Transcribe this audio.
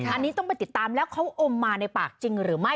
อันนี้ต้องไปติดตามแล้วเขาอมมาในปากจริงหรือไม่